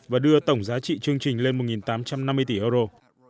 và đưa tổng giá trị chương trình lên một tám trăm năm mươi tỷ euro